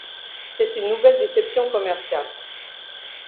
C'est une nouvelle déception commerciale.